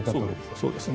そうですね。